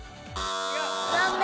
残念。